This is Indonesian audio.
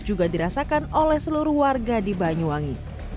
juga dirasakan oleh seluruh warga di banyuwangi